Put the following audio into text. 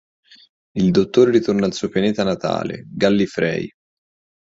Il Dottore ritorna al suo pianeta natale, Gallifrey.